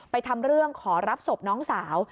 ทำเรื่องขอรับศพน้องสาว